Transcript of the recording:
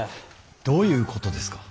どういうことですか。